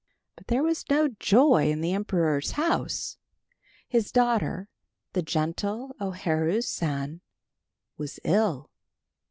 But there was no joy in the emperor's house. His daughter, the gentle O Haru San, was ill.